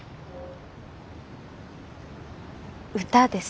歌です。